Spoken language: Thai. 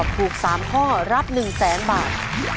ถูก๓ข้อรับ๑แสนบาท